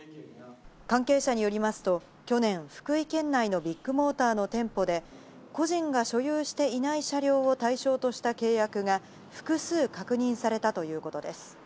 関係者によりますと去年、福井県内のビッグモーターの店舗で個人が所有していない車両を対象とした契約が複数確認されたということです。